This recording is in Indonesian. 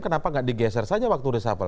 kenapa nggak digeser saja waktu resapel